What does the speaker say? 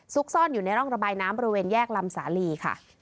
ซ่อนอยู่ในร่องระบายน้ำบริเวณแยกลำสาลีค่ะ